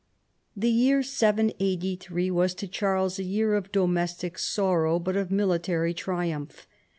The year 783 was to Charles a year of domestic sorrow but of military triumph.